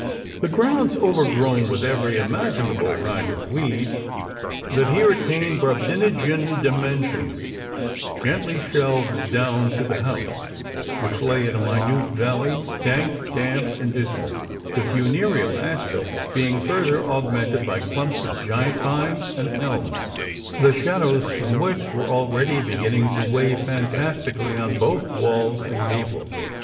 The grounds, overgrown with every imaginable kind of weed that here attained Brobdingnagian dimensions, gently shelved down to the house, which lay in a minute valley, dank, damp and dismal; the funereal aspect being further augmented by clumps of giant pines and elms, the shadows from which were already beginning to wave phantastically on both walls and gables.